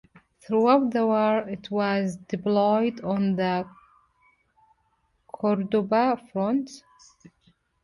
Throughout the war it was deployed on the Cordoba front.